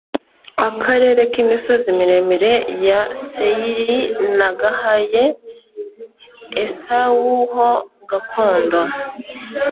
akarere k’imisozi miremire ya Seyiri nagahaye Esawu ho gakondo.